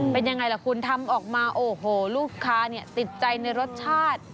เป็นยังไงล่ะคุณทำออกมาโอ้โหลูกค้าเนี่ยติดใจในรสชาติ